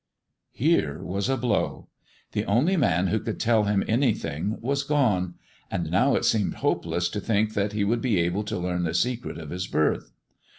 Here was a blow. The only man who could tell him anything was gone, and now it seemed hopeless to think that he would be able to learn the secret of his birth.